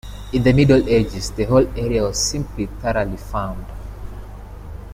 In the Middle Ages the whole area was simply thoroughly farmed.